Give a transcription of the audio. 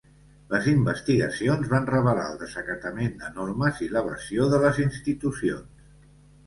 Les investigacions van revelar el desacatament de normes i l'evasió de les institucions.